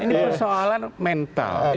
ini persoalan mental